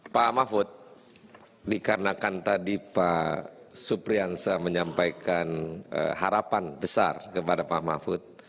pak mahfud dikarenakan tadi pak supriyansa menyampaikan harapan besar kepada pak mahfud